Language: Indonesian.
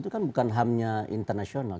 itu kan bukan hamnya internasional